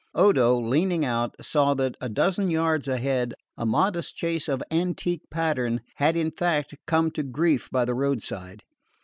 Odo, leaning out, saw that, a dozen yards ahead, a modest chaise of antique pattern had in fact come to grief by the roadside.